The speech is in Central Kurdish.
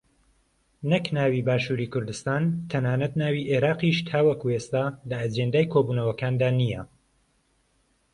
نەک ناوی باشووری کوردستان تەنانەت ناوی عێراقیش تاوەکو ئێستا لە ئەجێندای کۆبوونەوەکاندا نییە